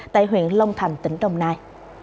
tại huyện long thành tỉnh đồng nai